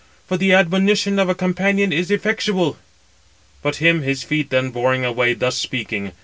for the admonition of a companion is effectual." But him his feet then bore away thus speaking.